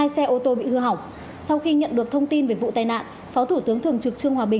hai xe ô tô bị hư hỏng